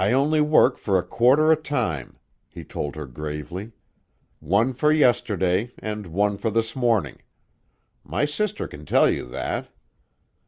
"I only work for a quarter a time," he told her gravely. "One for yesterday and one for this morning; my sister can tell you that.